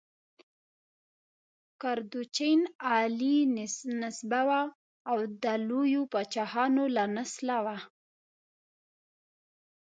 کردوچین اعلی نسبه وه او د لویو پاچاهانو له نسله وه.